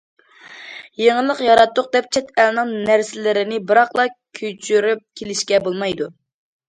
يېڭىلىق ياراتتۇق دەپ، چەت ئەلنىڭ نەرسىلىرىنى بىراقلا كۆچۈرۈپ كېلىشكە بولمايدۇ.